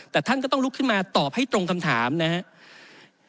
แต่ท่านก็ต้องลุกขึ้นมาตอบให้ตรงคำถามนะครับ